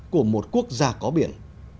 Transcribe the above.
của một quốc gia có biển